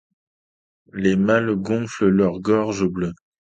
Les mâles gonflent leur gorge bleue.